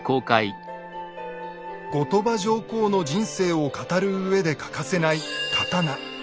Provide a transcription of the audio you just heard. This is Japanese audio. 後鳥羽上皇の人生を語るうえで欠かせない刀。